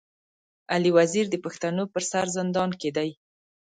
علي وزير د پښتنو پر سر زندان کي دی.